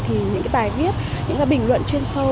thì những cái bài viết những cái bình luận chuyên sâu